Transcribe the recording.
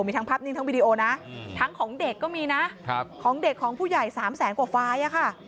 มีทั้งภาพนิ่งทั้งวิดีโอนะทั้งของเด็กก็มีนะของเด็กของผู้ใหญ่๓แสนกว่าไฟล์ค่ะ